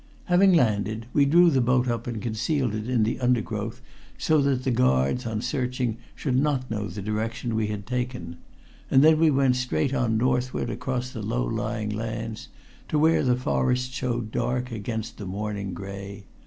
Having landed, we drew the boat up and concealed it in the undergrowth so that the guards, on searching, should not know the direction we had taken, and then we went straight on northward across the low lying lands, to where the forest showed dark against the morning gray.